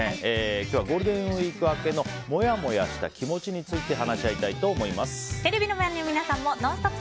今日はゴールデンウィーク明けのモヤモヤした気持ちについてテレビの前の皆さんもＮＯＮＳＴＯＰ！